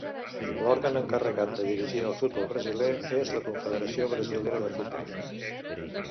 L'òrgan encarregat de dirigir el futbol brasiler és la Confederació Brasilera de Futbol.